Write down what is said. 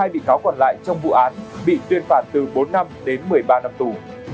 một mươi bị cáo còn lại trong vụ án bị tuyên phạt từ bốn năm đến một mươi ba năm tù